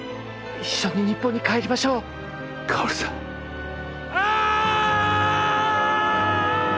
一緒に日本に帰りましょう薫さんあーっ！